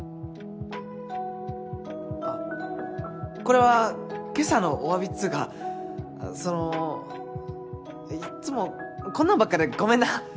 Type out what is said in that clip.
あっこれは今朝のおわびっつうかそのいっつもこんなんばっかでごめんな。